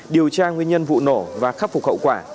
điều tra nguyên nhân vụ nổ và khắc phục hậu quả